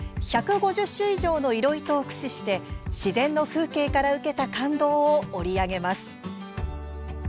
１５０種以上の色糸を駆使して自然の風景から受けた感動を織り上げます。